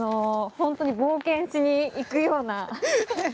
本当に冒険しに行くような。